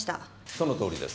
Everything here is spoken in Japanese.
そのとおりです。